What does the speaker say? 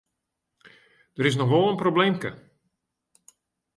Der is noch wol in probleemke.